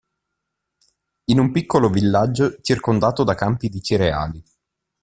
In un piccolo villaggio circondato da campi di cereali.